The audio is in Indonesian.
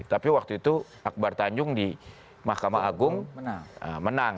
tapi waktu itu akbar tanjung di mahkamah agung menang